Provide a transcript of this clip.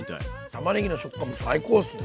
たまねぎの食感も最高っすね。